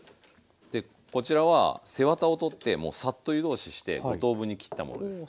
こちらは背ワタを取ってもうサッと湯通しして５等分に切ったものです。